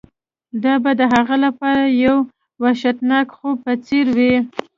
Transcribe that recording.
دا به د هغه لپاره د یو وحشتناک خوب په څیر وي